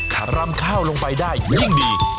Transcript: ถ้ารำข้าวลงไปได้ยิ่งดี